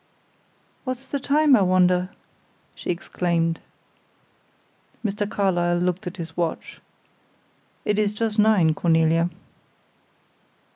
"What's the time, I wonder?" she exclaimed. Mr. Carlyle looked at his watch. "It is just nine, Cornelia."